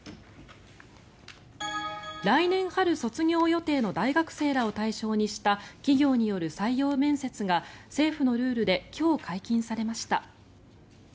来年春卒業予定の大学生らを対象にした企業による採用面接が政府のルールで今日、解禁されました。